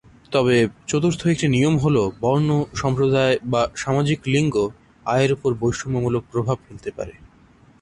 তবে চতুর্থ একটি নিয়ম হল বর্ণ, সম্প্রদায় বা সামাজিক লিঙ্গ আয়ের উপরে বৈষম্যমূলক প্রভাব ফেলতে পারে।